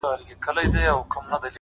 یوه برخه د پرون له رشوتونو؛